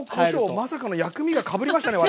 まさかの薬味がかぶりましたね